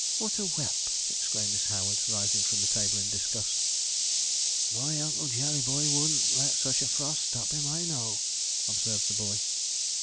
'What a whelp!' exclaimed Miss Howard, rising from the table in disgust. 'My Uncle Jellyboy wouldn't let such a frost stop him, I know,' observed the boy.